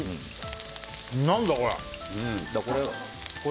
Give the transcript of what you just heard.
何だこれ。